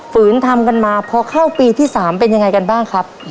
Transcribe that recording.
ืนทำกันมาพอเข้าปีที่๓เป็นยังไงกันบ้างครับ